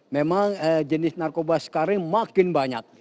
memang jenis narkoba sekarang makin banyak